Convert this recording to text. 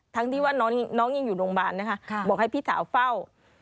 ทั้งที่ว่าน้องยังอยู่โรงพยาบาลนะคะบอกให้พี่สาวเฝ้า